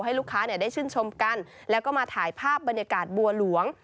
ลูกค้าได้ชื่นชมกันแล้วก็มาถ่ายภาพบรรยากาศบัวหลวง